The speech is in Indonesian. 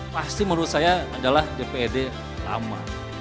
pasti menurut saya adalah dpd lama